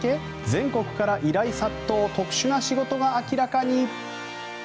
全国から依頼殺到特殊な仕事が明らかに。